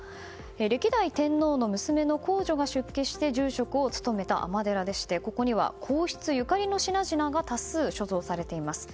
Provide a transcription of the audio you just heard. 歴代天皇の娘の皇女が出家して住職を務めた尼寺でしてここには皇室ゆかりの品々が多数、所蔵されています。